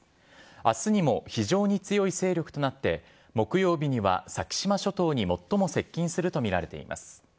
あすにも、非常に強い勢力となって、木曜日には先島諸島に最も接近すると見られています。